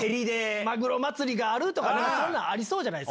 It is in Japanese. マグロまつりがあるとか、そういうのありそうじゃないです